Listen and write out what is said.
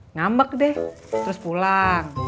ngambek deh terus pulang